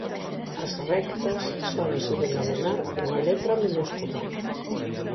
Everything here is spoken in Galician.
As rectas sóense denominar cunha letra minúscula.